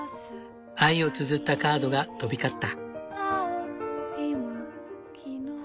愛をつづったカードが飛び交った。